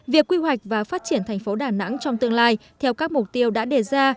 việc quy hoạch và phát triển thành phố đà nẵng trong tương lai theo các mục tiêu đã đề ra